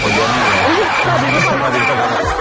สวัสดีค่ะสวัสดีค่ะ